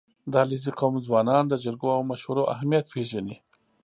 • د علیزي قوم ځوانان د جرګو او مشورو اهمیت پېژني.